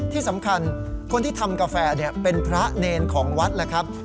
ที่สำคัญคนที่ทำกาแฟเป็นพระเนรของวัดแล้วครับ